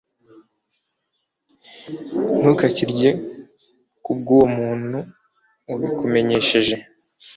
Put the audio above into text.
ntukakirye ku bw uwo muntu ubikumenyesheje